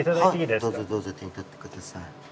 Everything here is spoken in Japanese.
どうぞどうぞ手に取って下さい。